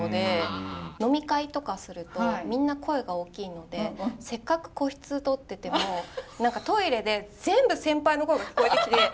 飲み会とかするとみんな声が大きいのでせっかく個室取ってても何かトイレで全部先輩の声が聞こえてきて。